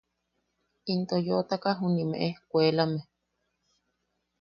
Into yootaka juniʼi jume ejkuelame.